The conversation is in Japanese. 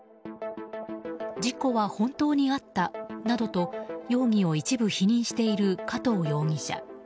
事故は本当にあったなどと容疑を一部否認している加藤容疑者。